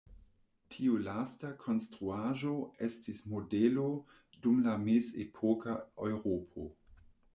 Tiu lasta konstruaĵo estis modelo dum la mezepoka Eŭropo.